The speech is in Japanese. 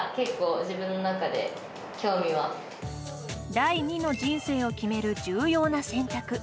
第二の人生を決める重要な選択。